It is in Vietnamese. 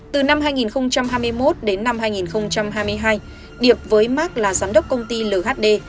từ năm hai nghìn hai mươi một đến năm hai nghìn hai mươi hai điệp với mark là giám đốc công ty lhd